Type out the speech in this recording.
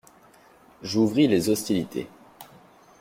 J’ouvris les hostilités.